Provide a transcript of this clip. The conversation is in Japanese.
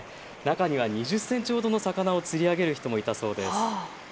中には２０センチほどの魚を釣り上げる人もいたそうです。